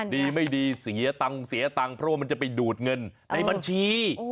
ดีไม่ดีเสียตังค์เสียตังค์เพราะว่ามันจะไปดูดเงินในบัญชี